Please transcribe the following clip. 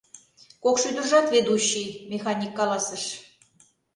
— Кок шӱдыржат ведущий, — Механик каласыш.